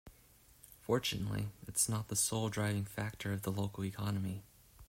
Fortunately its not the sole driving factor of the local economy.